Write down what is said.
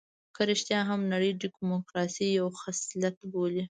که رښتيا هم نړۍ ډيموکراسي یو خصلت بولي.